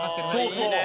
そうそう。